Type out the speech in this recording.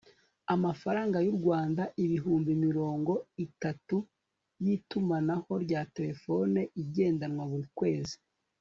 amafaranga y'u rwanda ibihumbi mirongo itatu y'itumanaho rya telefone igendanwa, buri kwezi